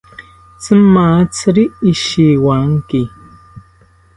Itzimatziri ishiwanki